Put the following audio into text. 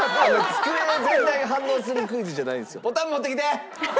机全体が反応するクイズじゃないんですよ。